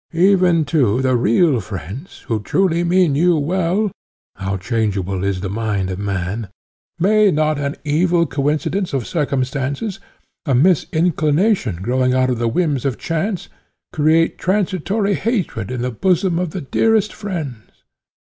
Even too the real friends, who truly mean you well how changeable is the mind of man! may not an evil coincidence of circumstances, a misinclination growing out of the whims of chance, create transitory hatred in the bosom of the dearest friends?